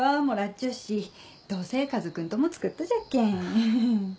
ちょっしどうせ家族んとも作っとじゃっけん。